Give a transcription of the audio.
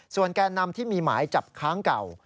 แก่นำที่มีหมายจับค้างเก่า